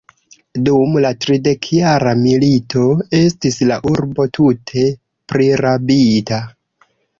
Dum la tridekjara milito estis la urbo tute prirabita.